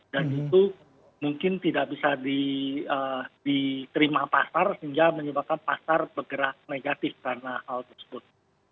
dan itu mungkin tidak bisa diterima pasar sehingga menyebabkan pasar bergerak negatif karena hal tersebut